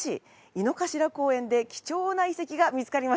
井の頭公園で貴重な遺跡が見つかりました！